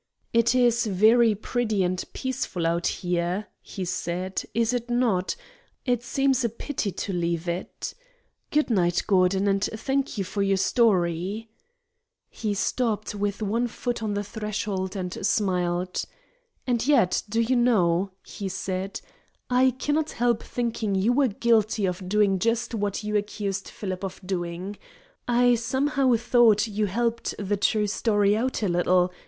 "It is very pretty and peaceful out here," he said, "is it not? It seems a pity to leave it. Good night, Gordon, and thank you for your story." He stopped, with one foot on the threshold, and smiled. "And yet, do you know," he said, "I cannot help thinking you were guilty of doing just what you accused Phillips of doing. I somehow thought you helped the true story out a little.